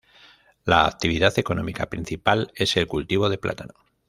La actividad económica principal es el cultivo de plátano.